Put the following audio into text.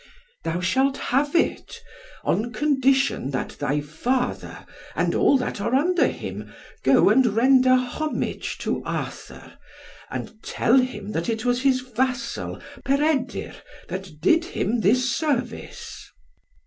"Thou shalt have it, on condition that thy father, and all that are under him, go and render homage to Arthur, and tell him that it was his vassal Peredur that did him this service."